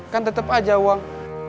kan tetep aja uang